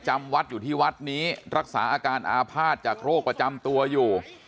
จำวัดอยู่ที่วัดนี้รักษาอาการอาภาษณ์จากโรคประจำตัวอยู่